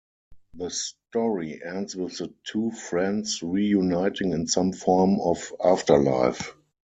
The story ends with the two friends reuniting in some form of afterlife.